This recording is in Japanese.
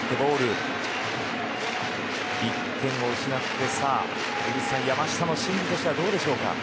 １点を失って井口さん、山下の心理としてはどうでしょうか。